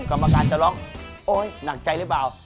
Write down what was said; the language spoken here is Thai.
กรรมการจะร้องโอ๊ยหนักใจหรือเปล่า